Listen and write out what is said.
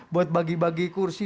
buat bagi bagi kursi